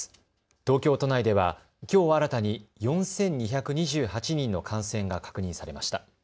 東京都内では、きょう新たに４２２８人の感染が確認されました。